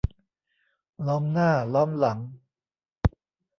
ล้อมหน้าล้อมหลัง